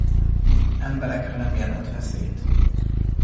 Emberekre nem jelent veszélyt.